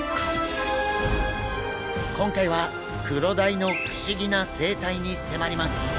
今回はクロダイの不思議な生態に迫ります。